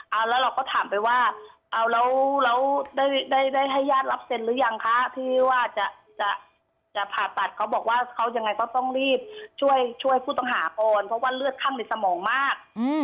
เอาแล้วเราก็ถามไปว่าเอาแล้วได้ได้ให้ญาติรับเซ็นหรือยังคะที่ว่าจะผ่าตัดเขาบอกว่าเขายังไงก็ต้องรีบช่วยผู้ต้องหาก่อนเพราะว่าเลือดข้างในสมองมาก